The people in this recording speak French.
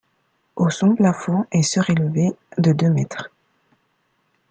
Au son plafond est surélevé de deux mètres.